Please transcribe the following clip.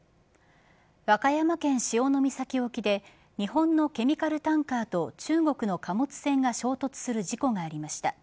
和歌山県潮岬沖で日本のケミカルタンカーと中国の貨物船が衝突する事故がありました。